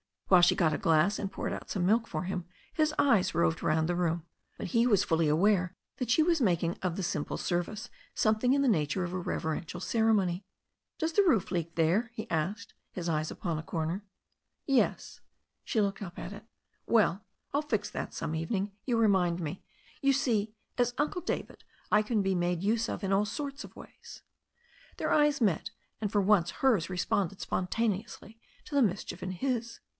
While she got a glass and poured out some milk for him his eyes roved round the room, but he was fully aware that she was making of the simple service something in the nature of a reverential ceremony. "Does the roof leak there?" he asked, his eyes on a comer. "Yes." She looked up at it. "Well, I'll fix that some evening. You remind me. You see, as Uncle David^ I can be made use of in all sorts of ways." Their eyes met, and for once hers responded spon taneously to the mischief in his.